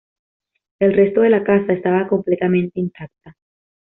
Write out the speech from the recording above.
El resto de la casa estaba completamente intacta""".